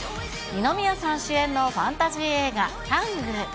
二宮さん主演のファンタジー映画、タング。